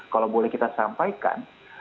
kalau boleh kita sampaikan